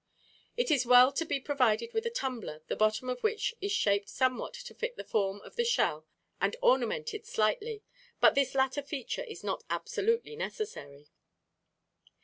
It is well to be provided with a tumbler the bottom of which is shaped somewhat to fit the form of the shell and ornamented slightly, but this latter feature is not absolutely necessary.